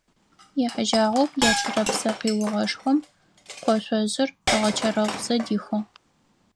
Ехьыжьагъэу блэчъырэ псы къиугъэшхом къошъожъыр ыгъэчэрэгъузэ дихыгъ.